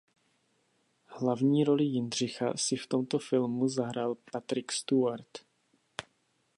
Hlavní roli Jindřicha si v tomto filmu zahrál Patrick Stewart.